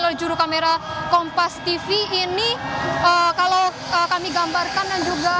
oleh juru kamera kompas tv ini kalau kami gambarkan dan juga